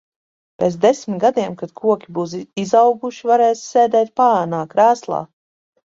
Pēc desmit gadiem kad koki būs izauguši, varēsi sēdēt paēnā, krēslā.